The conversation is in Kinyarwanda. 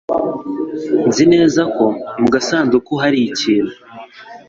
Nzi neza ko mu gasanduku hari ikintu.